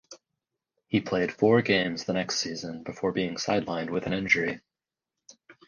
He played four games the next season before being sidelined with an injury.